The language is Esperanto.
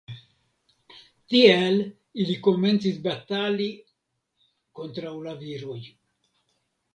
Tiel ili komencis batali kontraŭ la viroj.